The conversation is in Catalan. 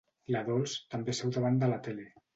La Dols també seu davant de la tele.